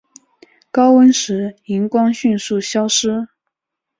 高温时荧光迅速消失。